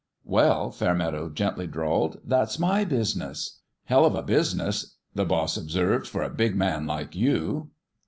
"Well," Fairmeadow gently drawled, "that's my business." " Hell of a business," the boss observed, "for a big man like you."